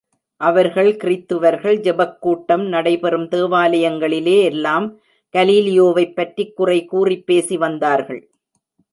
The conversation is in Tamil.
அவர்கள் கிறித்துவர்கள் ஜெபக் கூட்டம் நடைபெறும் தேவாலயங்களிலே எல்லாம் கலீலியோவைப் பற்றிக் குறை கூறிப் பேசி வந்தார்கள்.